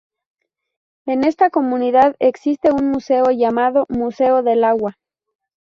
En esta comunidad existe un museo llamado: museo del agua.